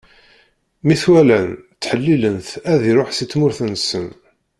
Mi t-walan, ttḥellilen-t ad iṛuḥ si tmurt-nsen.